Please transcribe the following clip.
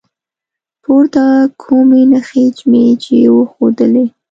پورته کومې نښې مې چې وښودلي